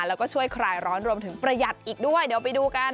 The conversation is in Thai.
แล้วก็ช่วยคลายร้อนรวมถึงประหยัดอีกด้วยเดี๋ยวไปดูกัน